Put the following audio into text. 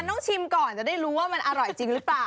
ต้องชิมก่อนจะได้รู้ว่ามันอร่อยจริงหรือเปล่า